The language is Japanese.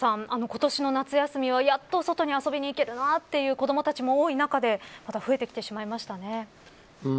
今年の夏休みはやっと外に遊びに行けるなという子どもたちも多い中でまた増えてきてしまいましたね。